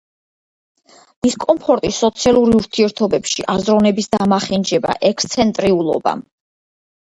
დისკომფორტი სოციალურ ურთიერთობებში, აზროვნების დამახინჯება, ექსცენტრიულობა.